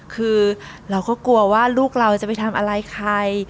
คือเราก็กลัวว่าลูกเราจะไปทำอะไรใคร